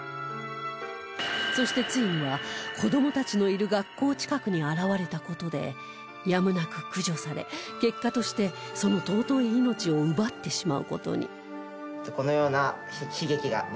そしてついには子どもたちのいる学校近くに現れた事でやむなく駆除され結果としてその尊い命を奪ってしまう事に